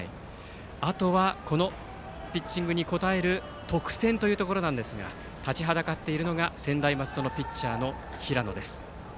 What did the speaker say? あとはこのピッチングに応える得点というところですが立ちはだかっているのが専大松戸のピッチャー、平野です。